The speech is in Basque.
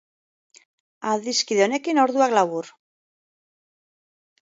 Adiskide honekin orduak labur.